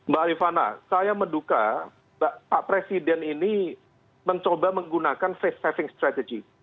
mbak rifana saya menduka pak presiden ini mencoba menggunakan face saving strategy